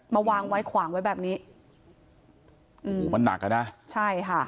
วางไว้ขวางไว้แบบนี้โอ้โหมันหนักอ่ะนะใช่ค่ะ